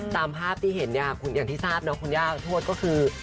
ตามภาพที่เห็นอย่างที่ทราบคุณญาติทวดก็คือ